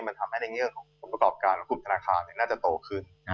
มันทำให้ในแง่ของผลประกอบการกลุ่มธนาคารน่าจะโตขึ้น